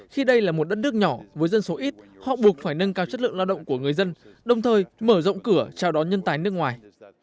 khi đây là một đất nước nhỏ với dân số ít họ buộc phải nâng cao chất lượng lao động của người dân đồng thời mở rộng cửa chào đón nhân tài nước ngoài